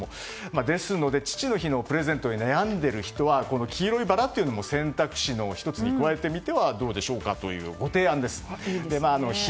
ですので父の日のプレゼントに悩んでいる人は黄色いバラというのも選択肢の１つに加えてみてはどうでしょうかというご提案です。